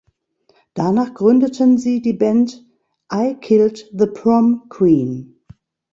Danach gründeten sie die Band "I Killed the Prom Queen".